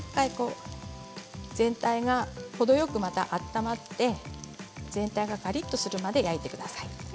全体が程よく温まって全体がカリっとするまで焼いてください。